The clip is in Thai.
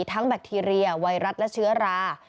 แบคทีเรียไวรัสและเชื้อรา